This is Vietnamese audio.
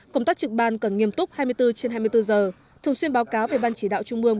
công tác trực ban cần nghiêm túc hai mươi bốn trên hai mươi bốn giờ thường xuyên báo cáo về ban chỉ đạo trung mương